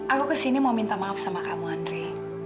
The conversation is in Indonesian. aku kesini mau minta maaf sama kamu andre